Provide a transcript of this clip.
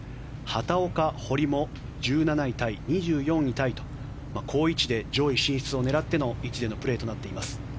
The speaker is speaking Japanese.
畑岡、堀も１７位タイ、２４位タイと好位置で上位進出を狙っての一連のプレーとなっています。